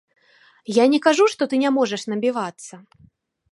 Я не кажу, што ты не можаш набівацца.